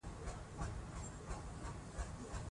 د انځورګرۍ هنر د ژوند رنګونه نور هم واضح او ښکلي ښيي.